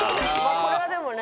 これはでもね。